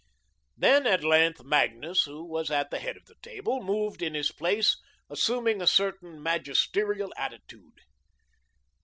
Then, at length, Magnus, who was at the head of the table, moved in his place, assuming a certain magisterial attitude.